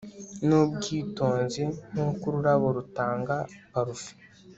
Nubwitonzi nkuko ururabo rutanga parufe